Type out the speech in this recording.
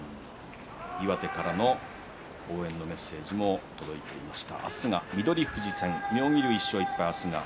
岩手からの応援メッセージも届いていました。